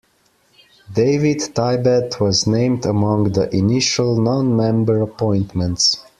David Tibet was named among the initial non-member appointments.